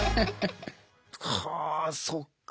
はあそっか。